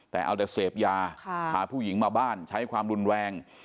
แต่เอาแต่เสพยาพาผู้หญิงมาบ้านใช้ความรุนแรง